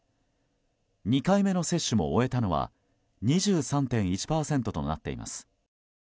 ２回目の接種も終えたのは２３．１％となっています。